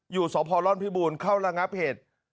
อยู่สพรพิบูรณ์เข้าระงับเหตุ